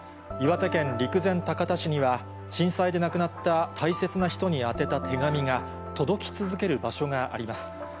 岩手県陸前高田市には、震災で亡くなった大切な人に宛てた手紙が、届き続ける場所があります。